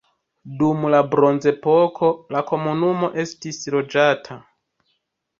Dum la bronzepoko la komunumo estis loĝata.